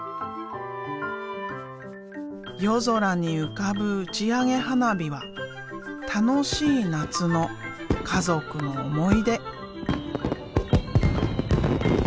夜空に浮かぶ打ち上げ花火は楽しい夏の家族の思い出。